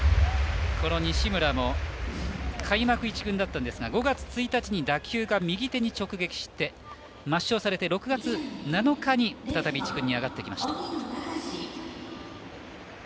この西村も開幕一軍だったんですが５月１日に打球が右手に直撃して抹消されて６月７日に再び一軍に上がってきました。